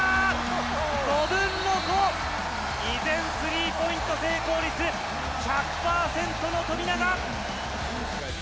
５分の５、依然、スリーポイント成功率１００％の富永。